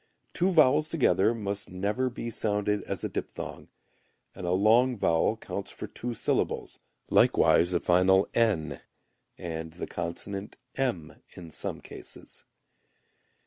Two vowels together must never be sounded as a diphthong, and a long vowel counts for two syllables, likewise a final "n", and the consonant "m" in some cases.